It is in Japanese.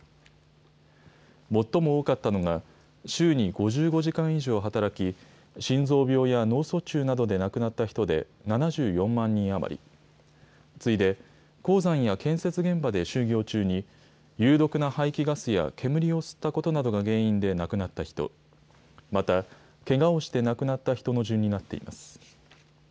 最も多かったのが、週に５５時間以上働き、心臓病や脳卒中などで亡くなった人で、７４万人余り、次いで、鉱山や建設現場で就業中に、有毒な排気ガスや煙を吸ったことなどが原因で亡くなった人、また、けがをして亡くなった人の順になっています。